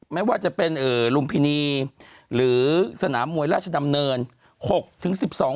ไม่ว่าจะเป็นลุมพินีหรือสนามมวยราชดำเนิน